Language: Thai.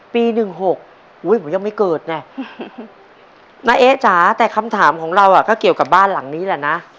ปีหนึ่งหกอุ้ยผมยังไม่เกิดไงน้าเอ๊จ๋าแต่คำถามของเราอ่ะก็เกี่ยวกับบ้านหลังนี้แหละนะ